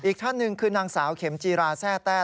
อีกท่านหนึ่งคือนางสาวเข็มจีราแซ่แต้